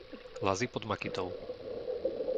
Lazy pod Makytou